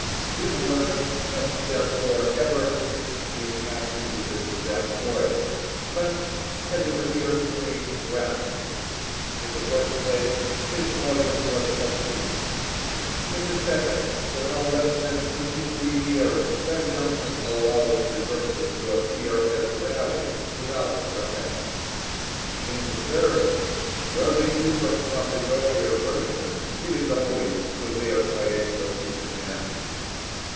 These lines have, therefore, ever since been attributed to that poet, but, as it appears to me, rashly. In the first place, this volume was posthumous; in the second, for no less than twenty three years Ben Jonson allowed the verses to appear as Raleigh's without protest; in the third, where they differ from the earlier version it is always to their poetical disadvantage.